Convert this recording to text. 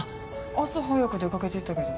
朝早く出かけていったけど。